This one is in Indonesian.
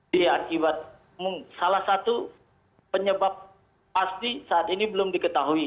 dia akibat salah satu penyebab pasti saat ini belum diketahui